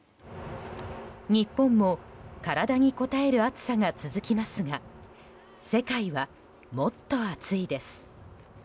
日本も体にこたえる暑さが続きますが世界はもっと暑いです。